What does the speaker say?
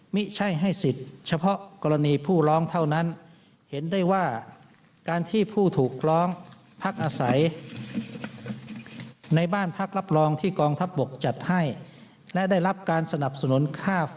ไม่ใช่ให้สิทธิ์เฉพาะกรณีผู้ร้องเท่านั้นเห็นได้ว่าการที่ผู้ถูกร้องพักอาศัยในบ้านพักรับรองที่กองทัพบกจัดให้และได้รับการสนับสนุนค่า